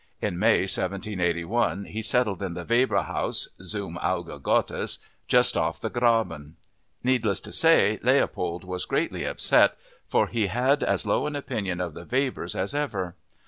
In May 1781, he settled in the Weber house, Zum Auge Gottes, just off the Graben. Needless to say, Leopold was greatly upset, for he had as low an opinion of the Webers as ever.